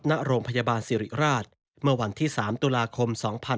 ณโรงพยาบาลสิริราชเมื่อวันที่๓ตุลาคม๒๕๖๒